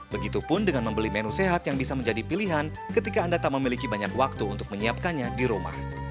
begitupun dengan membeli menu sehat yang bisa menjadi pilihan ketika anda tak memiliki banyak waktu untuk menyiapkannya di rumah